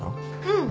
うん。